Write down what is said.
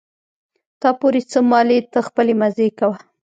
تا پورې څه مالې ته خپلې مزې کوه.